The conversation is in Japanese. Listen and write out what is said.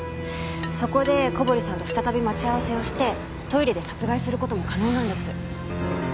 そこで小堀さんと再び待ち合わせをしてトイレで殺害する事も可能なんです。